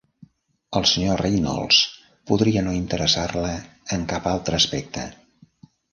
El sr. Reynolds podria no interessar-la en cap altre aspecte.